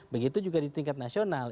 begitu juga di tingkat nasional